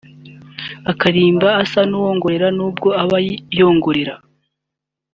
akaririmba asa n’uwongorera; n’ubwo aba yongorera